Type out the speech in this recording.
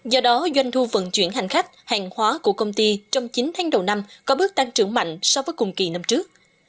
do đó doanh thu vận chuyển hành khách hàng hóa của công ty trong chín tháng đầu năm có bước tăng trưởng mạnh so với cùng kỳ năm trước